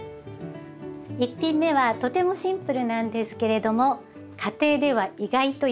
１品目はとてもシンプルなんですけれども家庭では意外とやらない料理です。